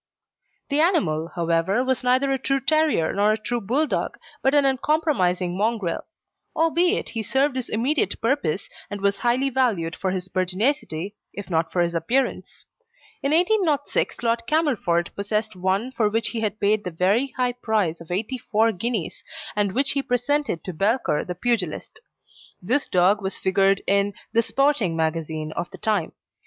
The animal, however, was neither a true terrier nor a true Bulldog, but an uncompromising mongrel; albeit he served his immediate purpose, and was highly valued for his pertinacity, if not for his appearance. In 1806 Lord Camelford possessed one for which he had paid the very high price of eighty four guineas, and which he presented to Belcher, the pugilist. This dog was figured in The Sporting Magazine of the time.